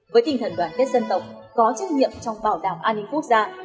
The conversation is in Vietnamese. với tinh thần đoàn kết dân tộc có trách nhiệm trong bảo đảm an ninh quốc gia